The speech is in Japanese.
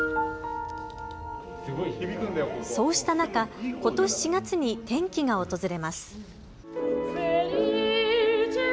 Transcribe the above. そうした中、ことし４月に転機が訪れます。